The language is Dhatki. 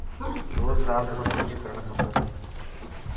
روز رات رو برش ڪرڻ کپي.